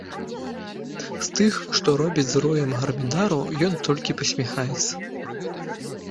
З тых, што робяць з роем гармідару, ён толькі пасміхаецца.